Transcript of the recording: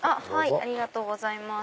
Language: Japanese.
ありがとうございます。